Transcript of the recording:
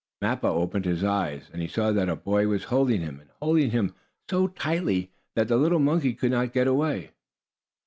Mappo opened his eyes, and he saw that a boy was holding him, and holding him so tightly that the little monkey could not get away.